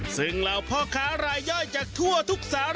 ซึ่งเราพ่อขาหลายย่อยจากทั่วทุกสาร